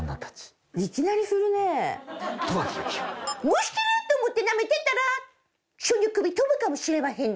虫けらやと思ってなめてたらその首飛ぶかもしれまへんで。